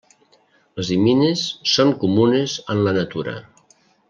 Les imines són comunes en la natura.